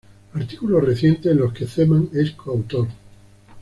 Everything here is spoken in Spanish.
Artículos recientes, en los que Zeman es coautor,